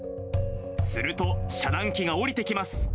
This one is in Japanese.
すると、遮断機が下りてきます。